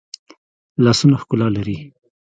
لاسونه ښکلا لري